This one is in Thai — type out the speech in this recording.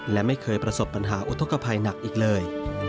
และไม่เคยประสบปัญหาอุทธกภัยหนักอีกเลย